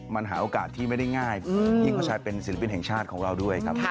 มันหาโอกาสที่ไม่ได้ง่ายยิ่งเขาใช้เป็นศิลปินแห่งชาติของเราด้วยครับ